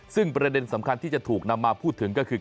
ซึ่งประเด็นสำคัญที่จะถูกนำมาพูดถึงก็คือ